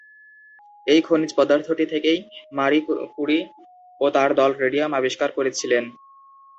এই খনিজ পদার্থটি থেকেই মারি ক্যুরি ও তার দল রেডিয়াম আবিষ্কার করেছিলেন।